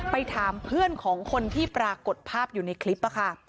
ไปถามเพื่อนของคนที่ปรากฏภาพอยู่ในคลิปค่ะ